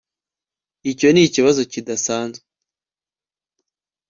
icyo nikibazo kidasanzwe